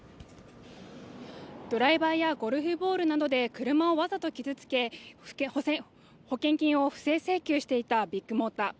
ドライバーやゴルフボールなどで車をわざと傷つけ保険金を不正請求していたビッグモーター。